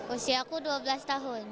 usia ku dua belas tahun